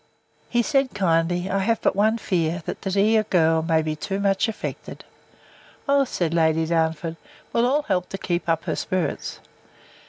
He said, kindly, I have but one fear, that the dear girl may be too much affected. O, said Lady Darnford, we'll all help to keep up her spirits.